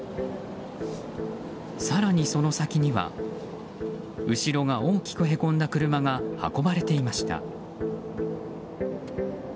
更にその先には後ろが大きくへこんだ車が運ばれていました。